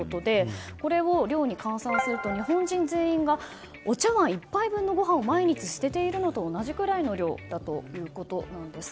これを量に換算すると日本人全員がお茶碗１杯分のご飯を毎日捨てているのと同じくらいの量だということです。